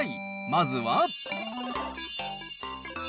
まずは。